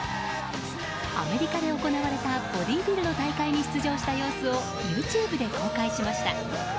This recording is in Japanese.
アメリカで行われたボディビルの大会に出場した様子をＹｏｕＴｕｂｅで公開しました。